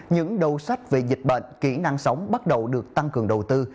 những đầu sách về dịch bệnh kỹ năng sống bắt đầu được tăng cường đầu tư